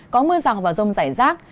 có mưa rào và rông rải rác